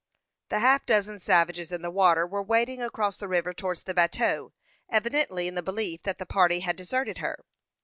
The half dozen savages in the water were wading across the river towards the bateau, evidently in the belief that the party had deserted her.